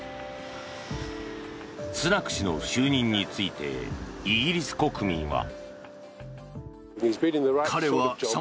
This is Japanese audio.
スナク氏の就任についてイギリス国民は。